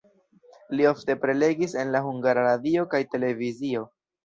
Li ofte prelegis en la Hungara Radio kaj televizio.